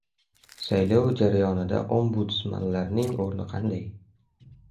Saylov jarayonida Ombudsmanlarning o‘rni qanday?